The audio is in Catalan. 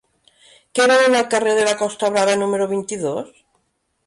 Què venen al carrer de la Costa Brava número vint-i-dos?